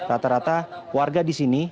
rata rata warga di sini